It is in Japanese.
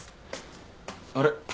あれ？